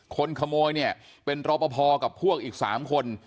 คนขโมยเนี่ยเป็นรอปภกับพวกอีก๓คน